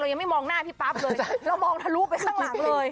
ยังไม่มองหน้าพี่ปั๊บเลยเรามองทะลุไปข้างหลังเลย